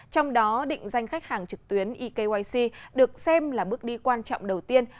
trong đó định danh khách hàng trực tuyến ekyc được xem là bước đi quan trọng đầu tiên